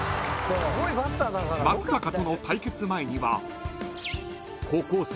［松坂との対決前には］